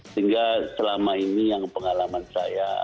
sehingga selama ini yang pengalaman saya